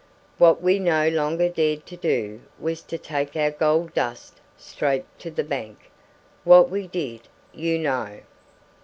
What we no longer dared to do was to take our gold dust straight to the Bank. What we did, you know.